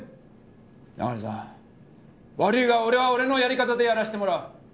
中根さん悪いが俺は俺のやり方でやらせてもらう。